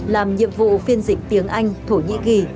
làm nhiệm vụ phiên dịch tiếng anh thổ nhĩ kỳ